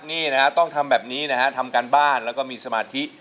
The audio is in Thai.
นี่นะฮะต้องทำแบบนี้นะฮะทำการบ้านแล้วก็มีสมาธิ